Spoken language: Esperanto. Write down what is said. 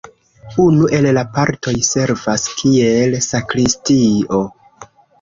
Unu el la partoj servas kiel sakristio.